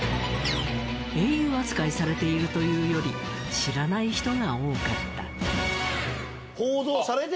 英雄扱いされているというより知らない人が多かった。